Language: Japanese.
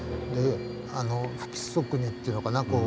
不規則にって言うのかな